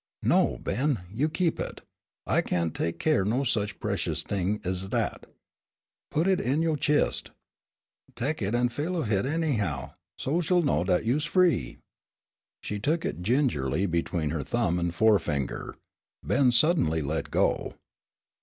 "No, Ben, you keep it. I can't tek keer o' no sich precious thing ez dat. Put hit in yo' chist." "Tek hit and feel of hit, anyhow, so's you'll know dat you's free." She took it gingerly between her thumb and forefinger. Ben suddenly let go.